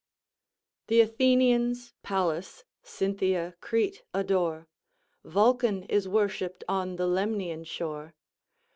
"Th' Athenians Pallas, Cynthia Crete adore, Vulcan is worshipped on the Lemnian shore.